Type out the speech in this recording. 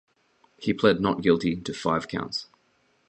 He pled not guilty to five counts.